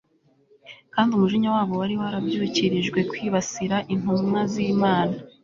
kandi umujinya wabo wari warabyukirijwe kwibasira intumwa zImana